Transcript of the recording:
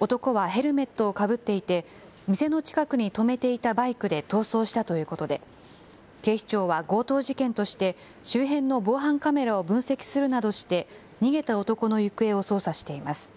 男はヘルメットをかぶっていて、店の近くに止めていたバイクで逃走したということで、警視庁は強盗事件として周辺の防犯カメラを分析するなどして、逃げた男の行方を捜査しています。